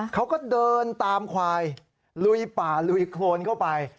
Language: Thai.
เขาก็เดินตามควายลุยป่าลุยโครนเข้าไป